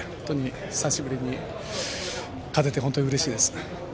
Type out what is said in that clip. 久しぶりに勝てて本当にうれしいです。